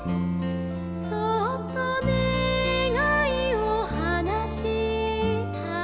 「そっとねがいをはなしたら」